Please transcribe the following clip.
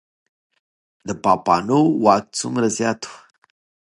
د پاپانو واک څومره زیات و؟